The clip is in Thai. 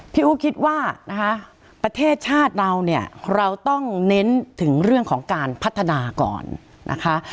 อู๋คิดว่านะคะประเทศชาติเราเนี่ยเราต้องเน้นถึงเรื่องของการพัฒนาก่อนนะคะ